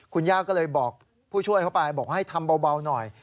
คุณย่าก็เลยบอกผู้ช่วยเขาไปบอกว่าให้ทำเบาหน่อย